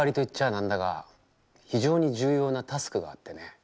なんだが非常に重要なタスクがあってね。